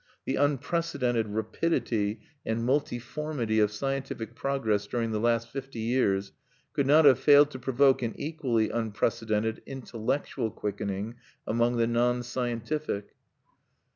The unprecedented rapidity and multiformity of scientific progress during the last fifty years could not have failed to provoke an equally unprecedented intellectual quickening among the non scientific.